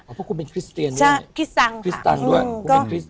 เพราะคุณเป็นคริสเตียนด้วยคริสตังค่ะ